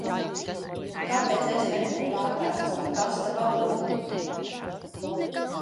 Kāpēc es netiku pārvērsts par pasta balodi?